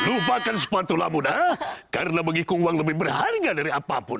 lupakan sepatulah muda karena menghikung uang lebih berharga dari apapun